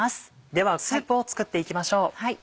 ではスープを作っていきましょう。